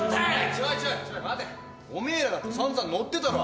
ちょいちょいちょい待てお前らだって散々乗ってたろ。